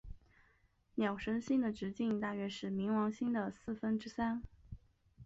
鸟神星的直径大约是冥王星的四分之三。